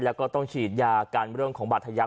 แล้วก็ต้องฉีดยากันเรื่องของบาธยักษ